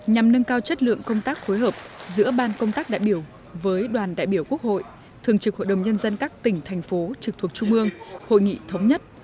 nhằm nâng cao chất lượng công tác phối hợp giữa ban công tác đại biểu với đoàn đại biểu quốc hội thường trực hội đồng nhân dân các tỉnh thành phố trực thuộc trung ương hội nghị thống nhất